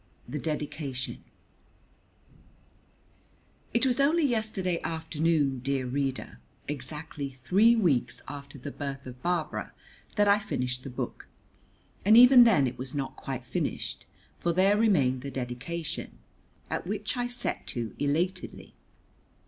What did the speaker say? The Dedication It was only yesterday afternoon, dear reader, exactly three weeks after the birth of Barbara, that I finished the book, and even then it was not quite finished, for there remained the dedication, at which I set to elatedly.